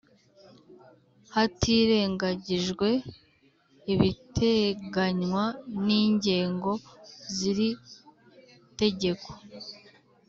Hatirengagijwe ibiteganywa n’ ingingo ziri tegeko